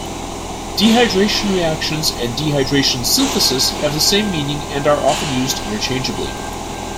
Dehydration reactions and dehydration synthesis have the same meaning, and are often used interchangeably.